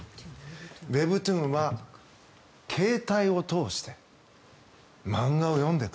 ウェブトゥーンは携帯を通して漫画を読んでいく。